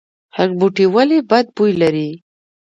هنګ بوټی ولې بد بوی لري؟